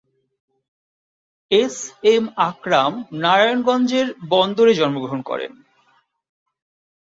S M Akram নারায়ণগঞ্জের বন্দরে জন্মগ্রহণ করেন।